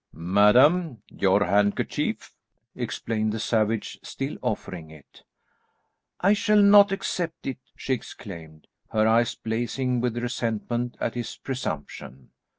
"Madam, your handkerchief," explained the savage, still offering it. "I shall not accept it," she exclaimed, her eyes blazing with resentment at his presumption.